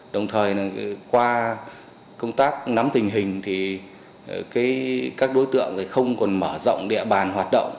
đồng thời qua công tác nắm tình hình thì các đối tượng không còn mở rộng địa bàn hoạt động